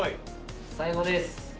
最後です。